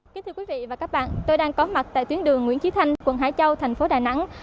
kính thưa quý vị và các bạn tôi đang có mặt tại tuyến đường nguyễn trí thanh quận hải châu thành phố đà nẵng